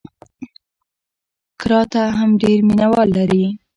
کراته هم ډېر مینه وال لري.